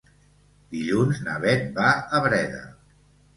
Dilluns na Beth va a Breda.